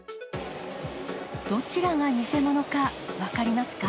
どちらが偽物か分かりますか？